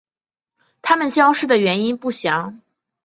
它们消失的原因不详。